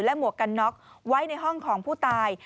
หมวกกันน็อกไว้ในห้องของผู้ตาย